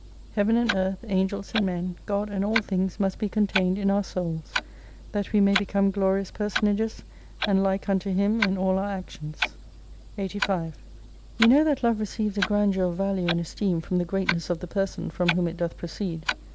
Heaven and Earth, Angels and Men, God and all things must be contained in our souls, that we may be come glorious personages, and like unto Him in all our actions. 85 You know that Love receives a grandeur of value and esteem from the greatness of the person, from whom it doth proceed.